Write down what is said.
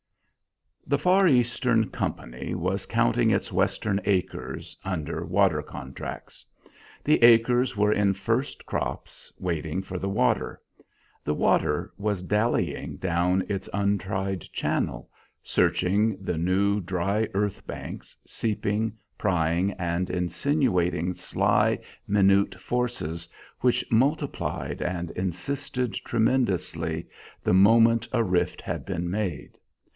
The far Eastern company was counting its Western acres under water contracts. The acres were in first crops, waiting for the water. The water was dallying down its untried channel, searching the new dry earth banks, seeping, prying, and insinuating sly, minute forces which multiplied and insisted tremendously the moment a rift had been made.